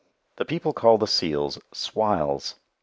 The people call the seals "swiles."